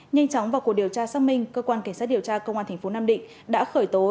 nhanh chóng vào cuộc điều tra xác minh cơ quan cảnh sát điều tra công an tp nam định đã khởi tố